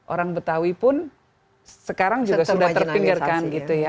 orang betawi pun sekarang juga sudah terpinggirkan